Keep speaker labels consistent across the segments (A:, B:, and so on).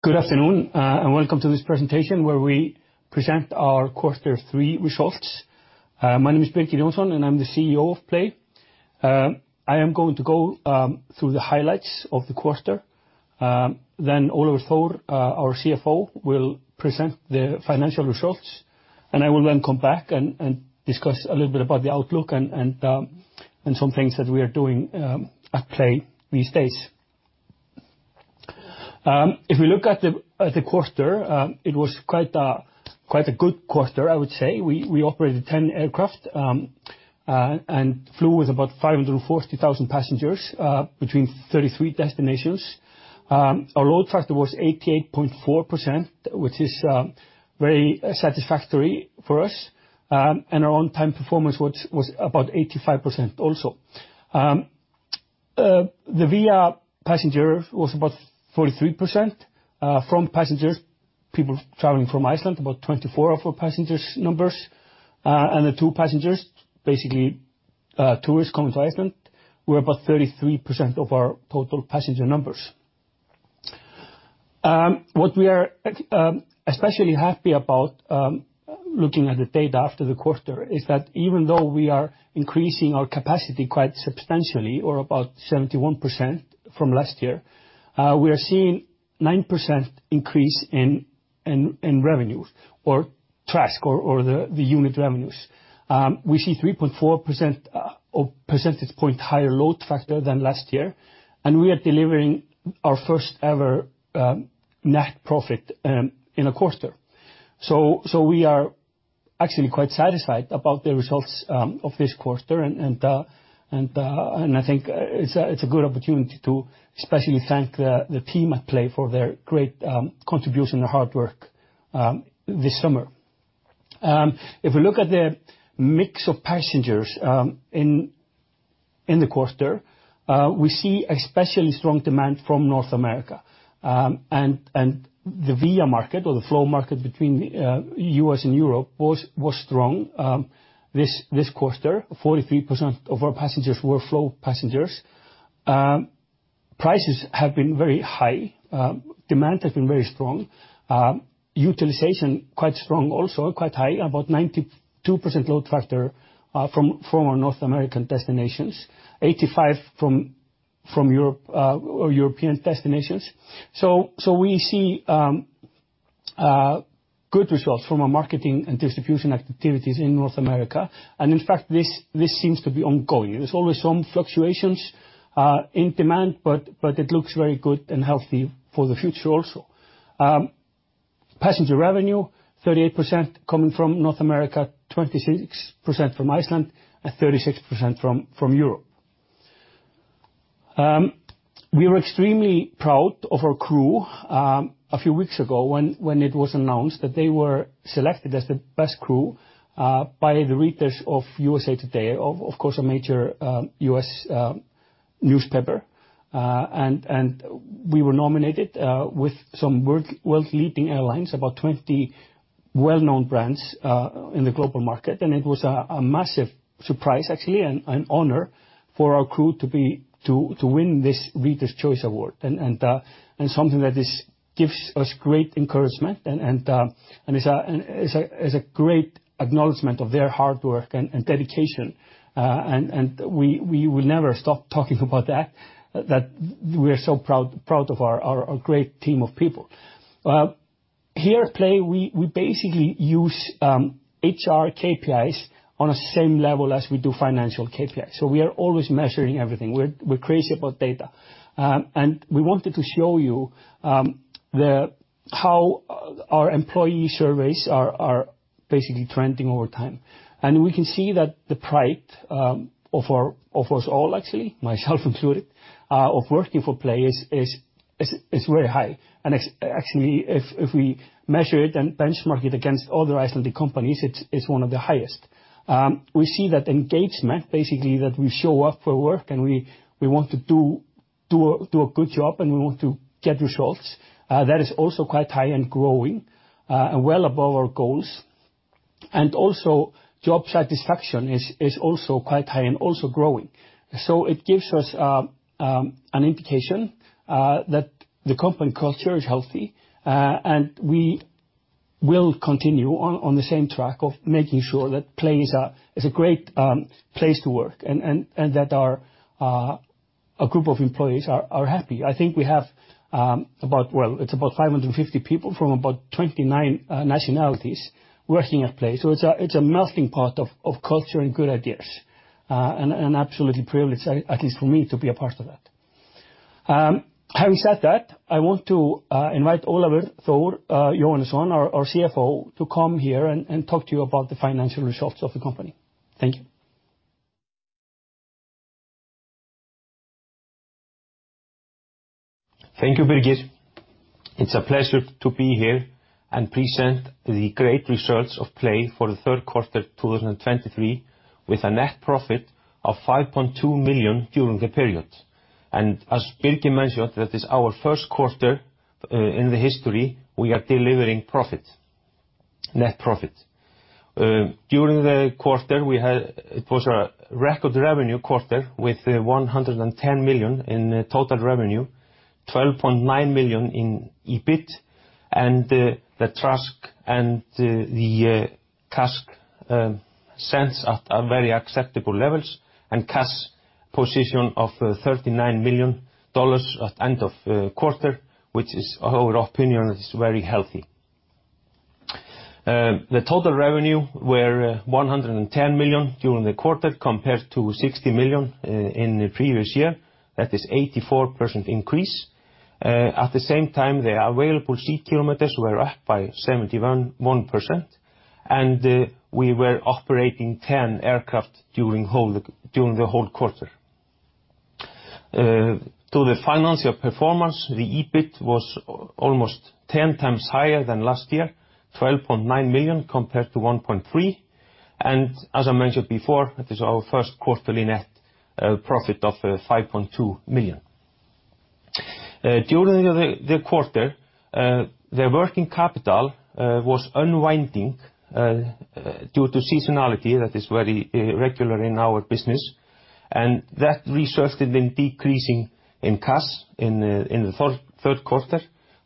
A: Good afternoon, and welcome to this presentation, where we present our quarter three results. My name is Birgir Jónsson, and I'm the CEO of PLAY. I am going to go through the highlights of the quarter. Ólafur Þór Jóhannesson, our CFO, will present the financial results, and I will then come back and discuss a little bit about the outlook and some things that we are doing at PLAY these days. If we look at the quarter, it was quite a good quarter, I would say. We operated 10 aircraft and flew with about 540,000 passengers between 33 destinations. Our load factor was 88.4%, which is very satisfactory for us, and our on-time performance was about 85% also. The via passenger was about 43%, from passengers, people traveling from Iceland, about 24% of our passenger numbers. The to passengers, basically, tourists coming to Iceland, were about 33% of our total passenger numbers. What we are especially happy about, looking at the data after the quarter, is that even though we are increasing our capacity quite substantially, or about 71% from last year, we are seeing 9% increase in revenues, or TRASK, or the unit revenues. We see 3.4 percentage point higher load factor than last year, and we are delivering our first ever net profit in a quarter. We are actually quite satisfied about the results of this quarter, and I think it's a good opportunity to especially thank the team at PLAY for their great contribution and hard work this summer. If we look at the mix of passengers in the quarter, we see especially strong demand from North America. And the via market or the flow market between US and Europe was strong this quarter, 43% of our passengers were flow passengers. Prices have been very high. Demand has been very strong. Utilization, quite strong, also quite high, about 92% load factor from our North American destinations, 85% from Europe or European destinations. We see good results from our marketing and distribution activities in North America. And in fact, this seems to be ongoing. There's always some fluctuations in demand, but it looks very good and healthy for the future also. Passenger revenue, 38% coming from North America, 26% from Iceland, and 36% from Europe. We were extremely proud of our crew a few weeks ago, when it was announced that they were selected as the best crew by the readers of USA Today, of course, a major U.S. newspaper. And we were nominated with some world-leading airlines, about 20 well-known brands in the global market. And it was a massive surprise, actually, and an honor for our crew to be... To win this Readers' Choice Award. Something that gives us great encouragement and is a great acknowledgment of their hard work and dedication. We will never stop talking about that we are so proud of our great team of people. Here at PLAY, we basically use HR KPIs on the same level as we do financial KPIs. So we are always measuring everything. We're crazy about data. We wanted to show you how our employee surveys are basically trending over time. And we can see that the pride of us all, actually, myself included, of working for PLAY is very high. If we measure it and benchmark it against other Icelandic companies, it's one of the highest. We see that engagement, basically, that we show up for work, and we want to do a good job, and we want to get results. That is also quite high and growing, and well above our goals. Also, job satisfaction is also quite high and also growing. It gives us an indication that the company culture is healthy, and we will continue on the same track of making sure that PLAY is a great place to work, and that our group of employees are happy. I think we have about, well, it's about 550 people from about 29 nationalities working at PLAY. So it's a melting pot of culture and good ideas, and absolutely privileged, at least for me, to be a part of that. Having said that, I want to invite Ólafur Þór Jóhannesson, our CFO, to come here and talk to you about the financial results of the company. Thank you.
B: Thank you, Birgir. It's a pleasure to be here and present the great results of Play for the third quarter of 2023, with a net profit of $5.2 million during the period. As Birgir mentioned, that is our first quarter in the history we are delivering profit, net profit. During the quarter, we had it was a record revenue quarter with $110 million in total revenue, $12.9 million in EBIT, and the TRASK and the CASK cents at are very acceptable levels, and cash position of $39 million at end of quarter, which is our opinion, is very healthy. The total revenue were $110 million during the quarter, compared to $60 million in the previous year. That is 84% increase. At the same time, the available seat kilometers were up by 71%, and we were operating 10 aircraft during the whole quarter. To the financial performance, the EBIT was almost ten times higher than last year, $12.9 million compared to $1.3 million. As I mentioned before, it is our first quarterly net profit of $5.2 million. During the quarter, the working capital was unwinding due to seasonality that is very regular in our business, and that resulted in a decrease in cash in the third quarter,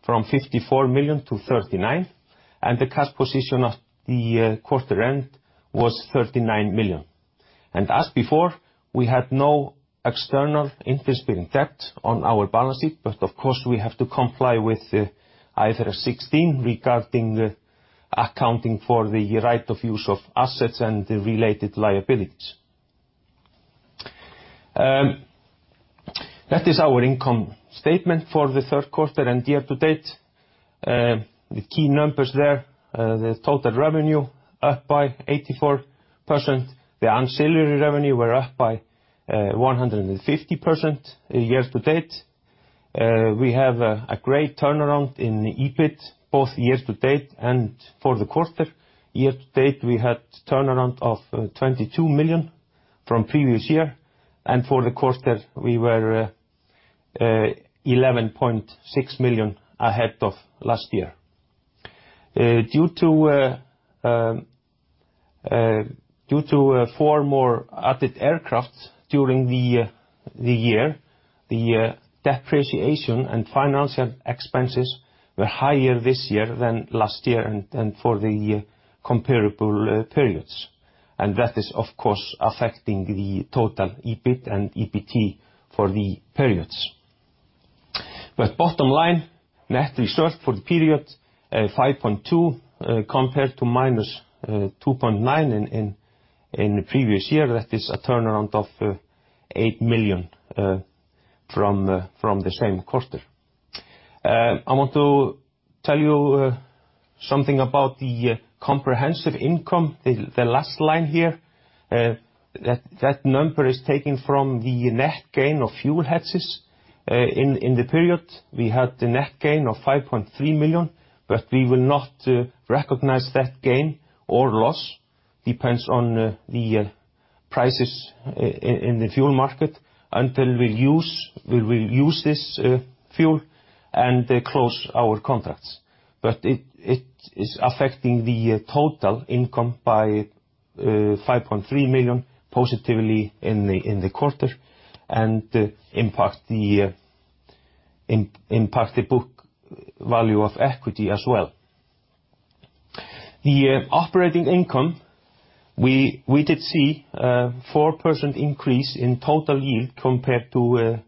B: from $54 million to $39 million, and the cash position at the quarter end was $39 million. As before, we had no external interest-bearing debt on our balance sheet, but of course, we have to comply with IFRS 16 regarding the accounting for the right of use of assets and the related liabilities. That is our income statement for the third quarter and year to date. The key numbers there, the total revenue up by 84%. The ancillary revenue were up by 150% year to date. We have a great turnaround in the EBIT, both year to date and for the quarter. Year to date, we had turnaround of $22 million from previous year, and for the quarter, we were $11.6 million ahead of last year. Due to four more added aircraft during the year, the depreciation and financial expenses were higher this year than last year, and for the comparable periods. That is, of course, affecting the total EBIT and EBT for the periods. Bottom line, net result for the period, $5.2 million, compared to minus $2.9 million in the previous year. That is a turnaround of $8 million from the same quarter. I want to tell you something about the comprehensive income, the last line here. That number is taken from the net gain of fuel hedges. In the period, we had the net gain of $5.3 million, but we will not recognize that gain or loss, depends on the prices in the fuel market, until we use—we will use this fuel and close our contracts. It is affecting the total income by $5.3 million positively in the quarter, and impact the book value of equity as well. The operating income, we did see a 4% increase in total yield compared to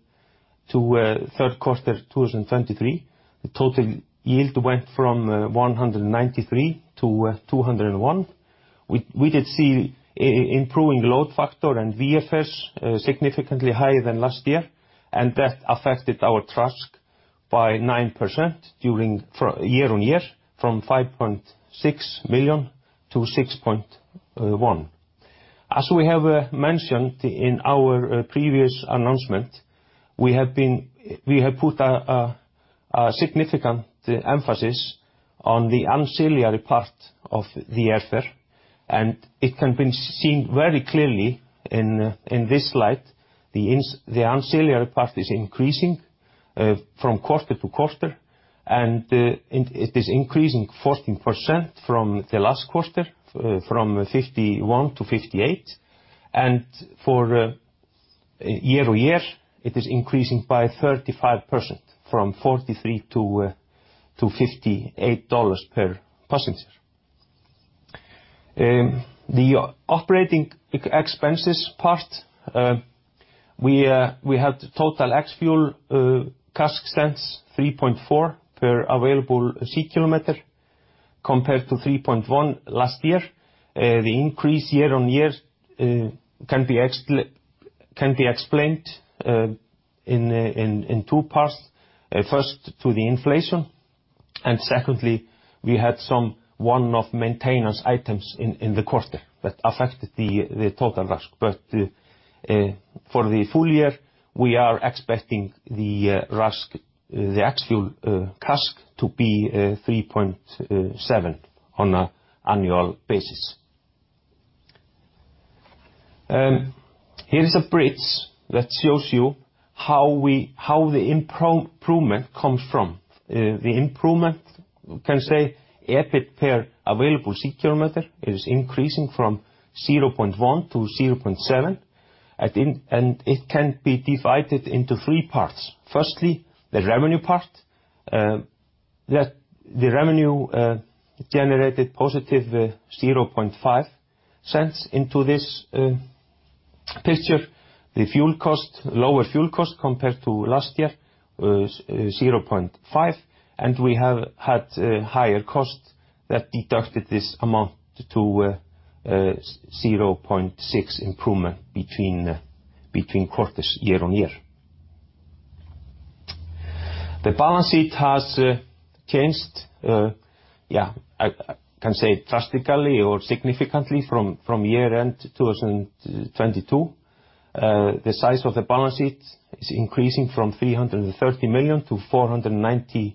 B: the third quarter of 2023. The total yield went from 193 to 201. We did see improving load factor and VFS, significantly higher than last year, and that affected our TRASK by 9% during... From year-over-year, from $5.6 million to $6.1 million. As we have mentioned in our previous announcement, we have put a significant emphasis on the ancillary part of the airfare, and it can be seen very clearly in this slide. The ancillary part is increasing from quarter to quarter, and it is increasing 14% from the last quarter, from $51 to $58. For year-over-year, it is increasing by 35%, from $43 to $58 per passenger. The operating expenses part, we had total ex-fuel CASK cents, 3.4 per available seat kilometer, compared to 3.1 last year. The increase year-over-year can be explained in two parts. First, to the inflation, and secondly, we had some one-off maintenance items in the quarter that affected the total RASK. For the full year, we are expecting the RASK, the ex-fuel CASK, to be 3.7 on an annual basis. Here is a bridge that shows you how the improvement comes from. The improvement, you can say, EBIT per available seat kilometer is increasing from 0.1 to 0.7 at the end, and it can be divided into three parts. Firstly, the revenue part, that the revenue generated positive 0.5 cents into this picture. The fuel cost, lower fuel cost compared to last year, is 0.5, and we have had higher costs that deducted this amount to 0.6 improvement between quarters year-on-year. The balance sheet has changed, yeah, I can say drastically or significantly from year end 2022. The size of the balance sheet is increasing from $330 million to $494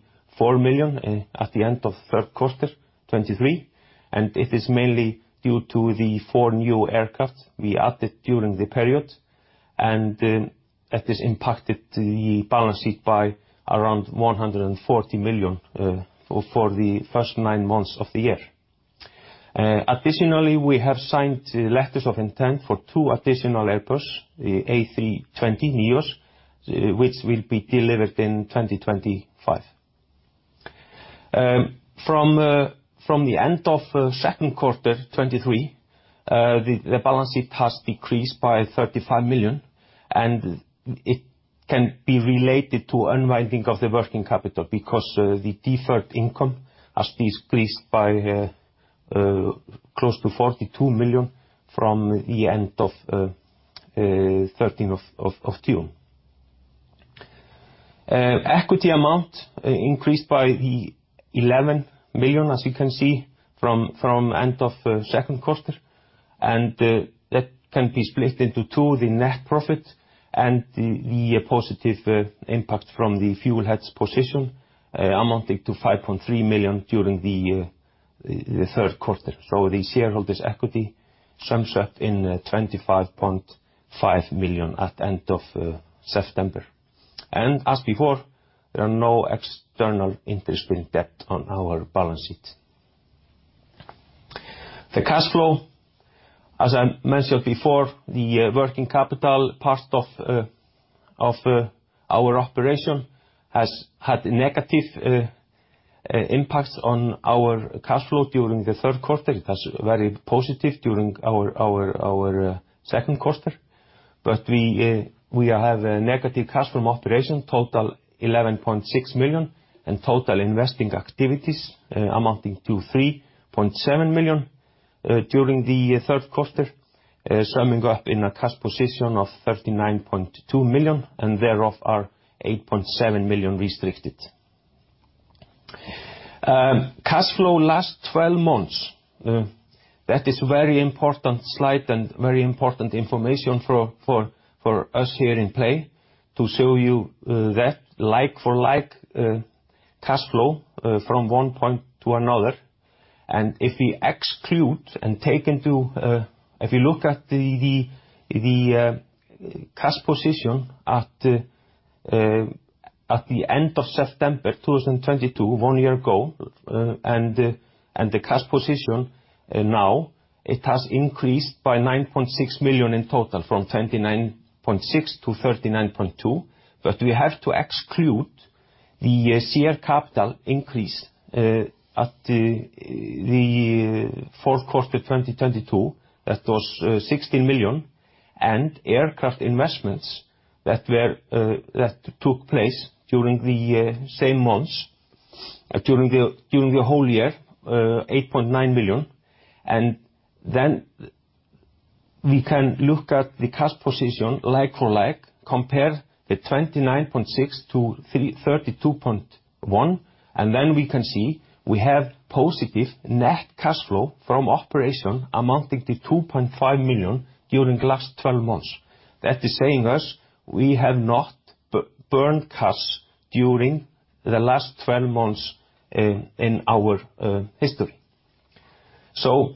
B: million at the end of third quarter 2023, and it is mainly due to the four new aircraft we added during the period, and that has impacted the balance sheet by around $140 million for the first nine months of the year. Additionally, we have signed letters of intent for two additional aircraft, the A320neo, which will be delivered in 2025. From the end of the second quarter 2023, the balance sheet has decreased by $35 million, and it can be related to unwinding of the working capital, because the deferred income has decreased by close to $42 million from the end of thirtieth of June. Equity amount increased by $11 million, as you can see, from end of the second quarter, and that can be split into two, the net profit and the positive impact from the fuel hedging position, amounting to $5.3 million during the third quarter. So the shareholders' equity sums up to $25.5 million at end of September. And as before, there are no external interest-bearing debt on our balance sheet. The cash flow, as I mentioned before, the working capital part of our operation has had negative impacts on our cash flow during the third quarter. It was very positive during our second quarter, but we have a negative cash from operation, total $11.6 million, and total investing activities, amounting to $3.7 million during the third quarter, summing up in a cash position of $39.2 million, and thereof are $8.7 million restricted. Cash flow last twelve months, that is very important slide and very important information for us here in PLAY, to show you that like for like, cash flow from one point to another. If we exclude and take into, if you look at the cash position at the end of September 2022, one year ago, and the cash position now, it has increased by $9.6 million in total, from $29.6 million to $39.2 million. We have to exclude the share capital increase at the fourth quarter 2022, that was $16 million, and aircraft investments that took place during the same months, during the whole year, $8.9 million. Then we can look at the cash position, like for like, compare the $29.6 million to $32.1 million, and then we can see we have positive net cash flow from operation amounting to $2.5 million during last 12 months. That is saying us, we have not burned cash during the last 12 months in our history. So,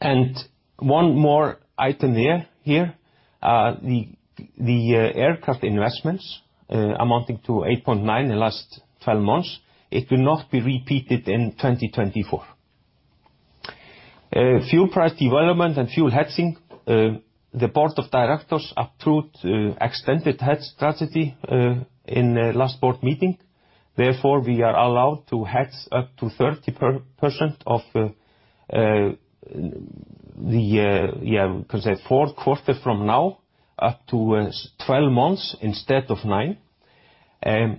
B: and one more item, the aircraft investments amounting to $8.9 in the last 12 months, it will not be repeated in 2024. Fuel price development and fuel hedging, the board of directors approved extended hedge strategy in the last board meeting. Therefore, we are allowed to hedge up to 30% of the, yeah, you can say, fourth quarter from now, up to 12 months instead of nine month.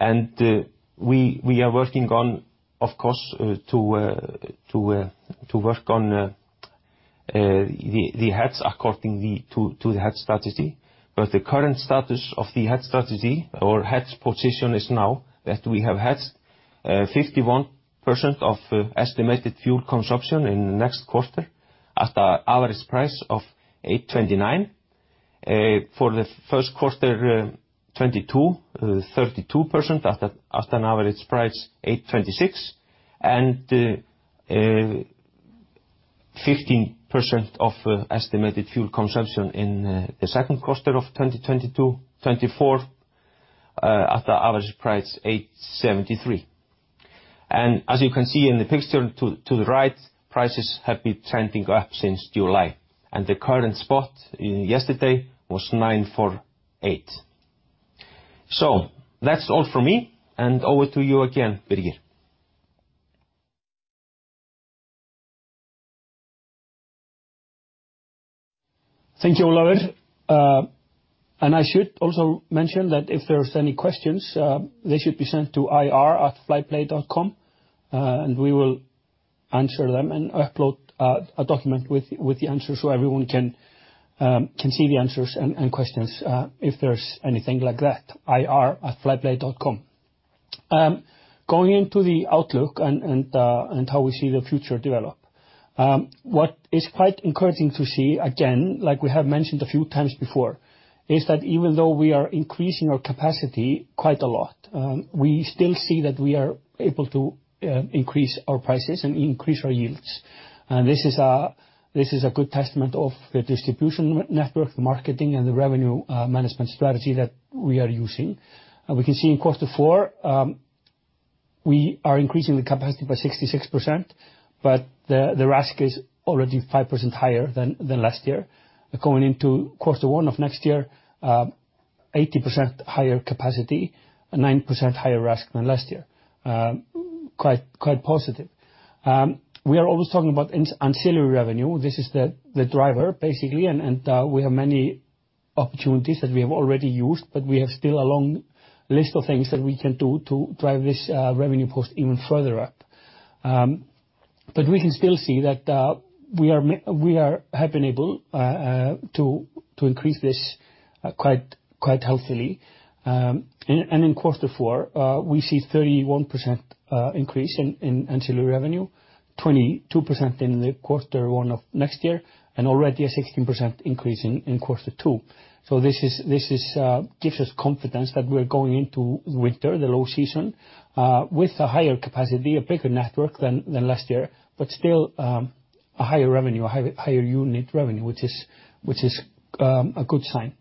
B: And we are working on, of course, to work on the hedges according to the hedge strategy. The current status of the hedge strategy or hedge position is now that we have hedged 51% of estimated fuel consumption in the next quarter at an average price of $829. For the first quarter, 32% at an average price $826. And 15% of estimated fuel consumption in the second quarter of 2024 at the average price $873. As you can see in the picture to the right, prices have been trending up since July, and the current spot yesterday was $948. That's all for me, and over to you again, Birgir.
A: Thank you, Ólafur. And I should also mention that if there's any questions, they should be sent to ir@flyplay.com, and we will answer them and upload a document with the answers so everyone can see the answers and questions, if there's anything like that. ir@flyplay.com. Going into the outlook and how we see the future develop. What is quite encouraging to see, again, like we have mentioned a few times before, is that even though we are increasing our capacity quite a lot, we still see that we are able to increase our prices and increase our yields. And this is a good testament of the distribution network, the marketing, and the revenue management strategy that we are using. We can see in quarter four, we are increasing the capacity by 66%, but the RASK is already 5% higher than last year. Going into quarter one of next year, 80% higher capacity, and 9% higher RASK than last year. Quite positive. We are always talking about ancillary revenue. This is the driver, basically, and we have many opportunities that we have already used, but we have still a long list of things that we can do to drive this revenue cost even further up. But we can still see that we have been able to increase this quite healthily. In quarter four, we see a 31% increase in ancillary revenue, 22% in quarter one of next year, and already a 16% increase in quarter two. This gives us confidence that we're going into winter, the low season, with a higher capacity, a bigger network than last year, but still a higher revenue, a higher unit revenue, which is a good sign.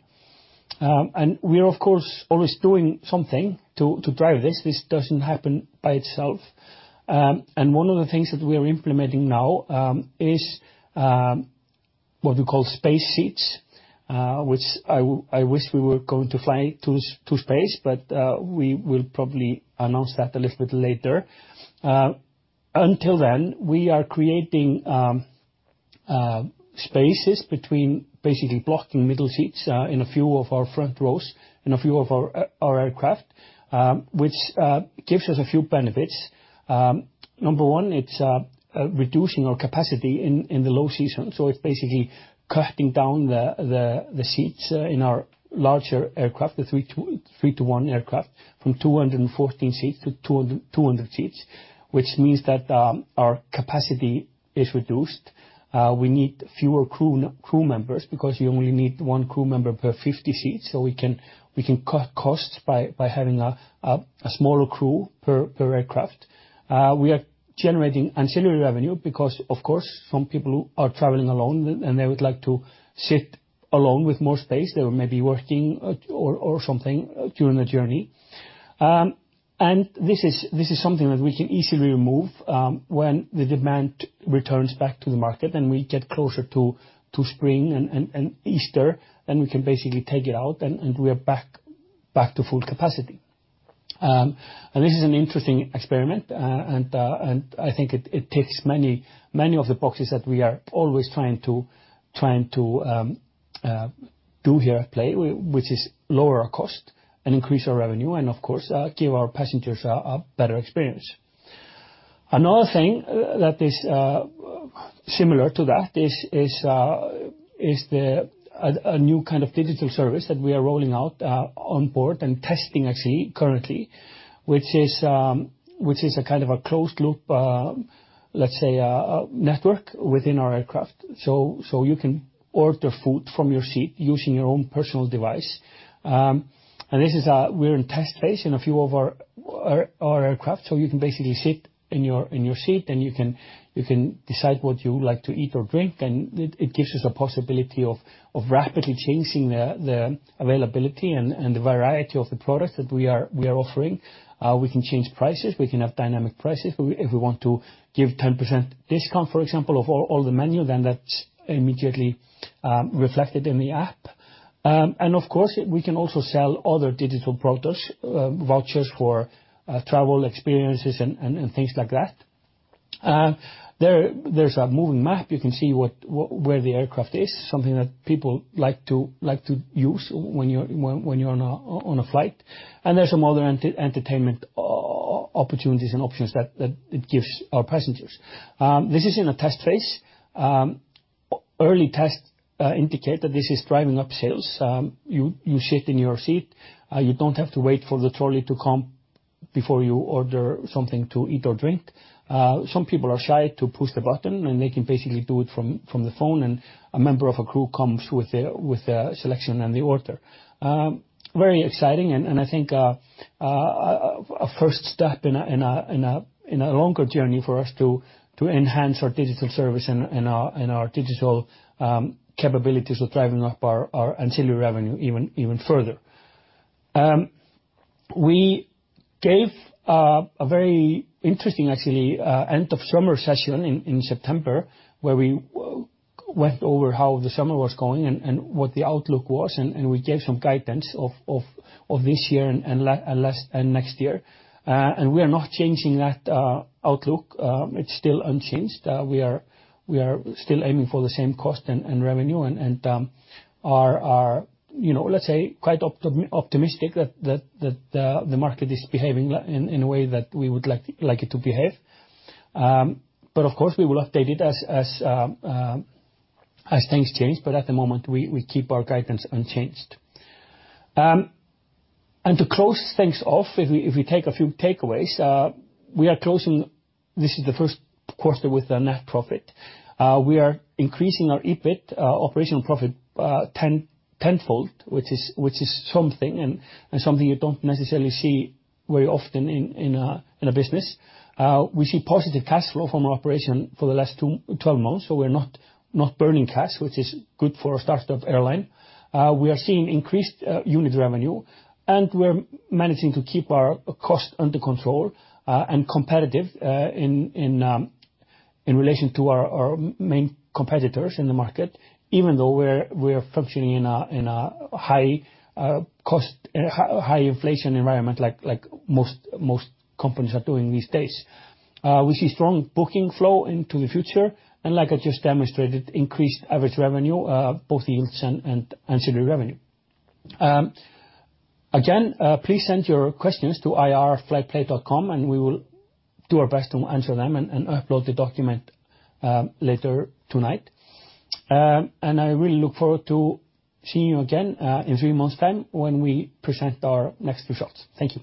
A: We are, of course, always doing something to drive this. This doesn't happen by itself. One of the things that we are implementing now is what we call Space Seats, which I wish we were going to fly to space, but we will probably announce that a little bit later. Until then, we are creating spaces between basically blocking middle seats in a few of our front rows in a few of our aircraft, which gives us a few benefits. Number one, it's reducing our capacity in the low season. It's basically cutting down the seats in our larger aircraft, the 321 aircraft, from 214 seats to 200 seats, which means that our capacity is reduced. We need fewer crew members, because you only need one crew member per 50 seats, so we can cut costs by having a smaller crew per aircraft. We are generating ancillary revenue because, of course, some people are traveling alone, and they would like to sit alone with more space. They may be working or something during the journey. And this is something that we can easily remove when the demand returns back to the market and we get closer to spring and Easter, then we can basically take it out and we are back to full capacity. And this is an interesting experiment, and I think it ticks many, many of the boxes that we are always trying to do here at Play, which is lower our cost and increase our revenue, and of course, give our passengers a better experience. Another thing that is similar to that is a new kind of digital service that we are rolling out on board and testing, actually, currently, which is a kind of a closed loop, let's say, a network within our aircraft. So you can order food from your seat using your own personal device. And this is, we're in test phase in a few of our aircraft, so you can basically sit in your seat, and you can decide what you like to eat or drink. And it gives us a possibility of rapidly changing the availability and the variety of the products that we are offering. We can change prices. We can have dynamic prices. If we want to give 10% discount, for example, of all the menu, then that's immediately reflected in the app. And of course, we can also sell other digital products, vouchers for travel experiences and things like that. There's a moving map. You can see where the aircraft is, something that people like to use when you're on a flight. And there's some other entertainment opportunities and options that it gives our passengers. This is in a test phase. Early tests indicate that this is driving up sales. You sit in your seat, you don't have to wait for the trolley to come before you order something to eat or drink. Some people are shy to push the button, and they can basically do it from the phone, and a member of the crew comes with the selection and the order. Very exciting, and I think a first step in a longer journey for us to enhance our digital service and our digital capabilities of driving up our ancillary revenue even further. We gave a very interesting, actually, end of summer session in September, where we went over how the summer was going and what the outlook was. We gave some guidance of this year and last and next year. We are not changing that outlook. It's still unchanged. We are still aiming for the same cost and revenue, and are, you know, let's say, quite optimistic that the market is behaving in a way that we would like it to behave. Of course, we will update it as things change. At the moment, we keep our guidance unchanged. To close things off, if we take a few takeaways, we are closing... This is the first quarter with a net profit. We are increasing our EBIT, operational profit, tenfold, which is something and something you don't necessarily see very often in a business. We see positive cash flow from our operation for the last 12 months, so we're not burning cash, which is good for a start-up airline. We are seeing increased unit revenue, and we're managing to keep our costs under control and competitive in relation to our main competitors in the market, even though we're functioning in a high cost, high inflation environment, like most companies are doing these days. We see strong booking flow into the future, and like I just demonstrated, increased average revenue, both yields and ancillary revenue. Again, please send your questions to ir@flyplay.com, and we will do our best to answer them and upload the document later tonight. I really look forward to seeing you again, in three months' time, when we present our next results. Thank you.